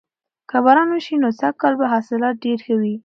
که باران وشي نو سږکال به حاصلات ډیر ښه وي.